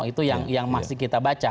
itu yang masih kita baca